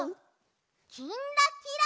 「きんらきら」。